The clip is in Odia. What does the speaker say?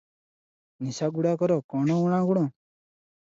ନିଶାଗୁଡ଼ାକର କ’ଣ ଊଣା ଗୁଣ?